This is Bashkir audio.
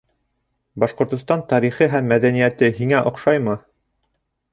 «Башкортостан тарихы һәм мәҙәниәте» һиңә оҡшаймы?